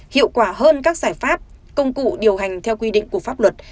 hiệu quả hơn các giải pháp công cụ điều hành theo quy định của pháp luật